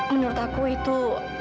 menurut aku itu